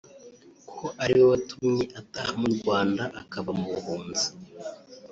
ko ari we watumye ataha mu Rwanda akava mu buhunzi